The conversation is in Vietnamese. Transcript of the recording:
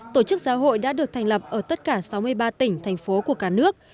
tổ chức giáo hội đã được thành lập ở tất cả sáu mươi ba tỉnh thành phố của cả nước